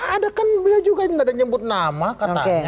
ada kan beliau juga yang ada nyebut nama katanya